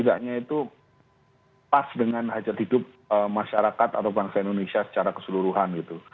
setidaknya itu pas dengan hajat hidup masyarakat atau bangsa indonesia secara keseluruhan gitu